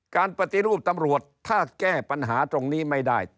ปฏิรูปตำรวจถ้าแก้ปัญหาตรงนี้ไม่ได้